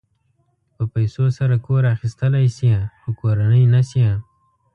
په پیسو سره کور اخيستلی شې خو کورنۍ نه شې.